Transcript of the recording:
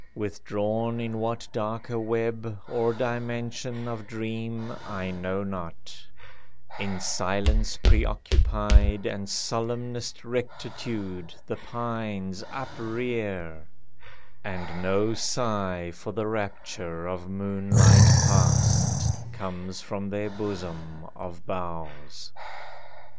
Withdrawn in what darker web Or dimension of dream I know not, In silence pre occupied And solemnest rectitude The pines uprear, and no sigh For the rapture of moonlight past, Comes from their bosom of boughs.